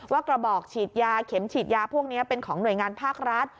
กระบอกฉีดยาเข็มฉีดยาพวกนี้เป็นของหน่วยงานภาครัฐ